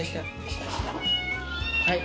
はい。